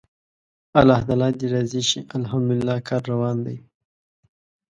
الله تعالی دې راضي شي، الحمدلله کار روان دی.